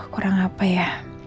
kurang apa ya